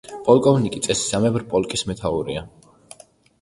პოლკოვნიკი წესისამებრ პოლკის მეთაურია.